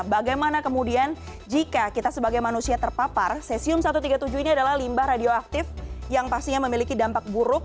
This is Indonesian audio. bagaimana kemudian jika kita sebagai manusia terpapar cesium satu ratus tiga puluh tujuh ini adalah limbah radioaktif yang pastinya memiliki dampak buruk